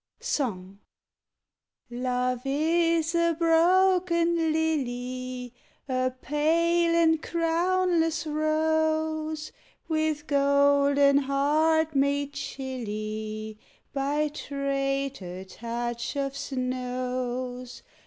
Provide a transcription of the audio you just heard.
SONG Love is a broken lily, A pale and crownless rose With golden heart made chilly By traitor touch of snows.